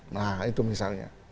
nah itu misalnya